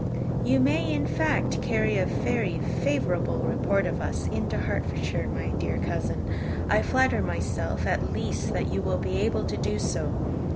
"You may, in fact, carry a very favourable report of us into Hertfordshire, my dear cousin. I flatter myself, at least, that you will be able to do so.